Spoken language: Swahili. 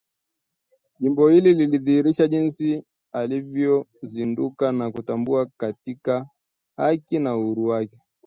Jambo hili linadhihirisha jinsi alivyozinduka na kutambua haki na uhuru wake